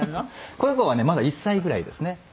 この子はねまだ１歳ぐらいですね。